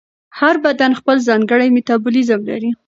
هر بدن خپل ځانګړی میتابولیزم لري.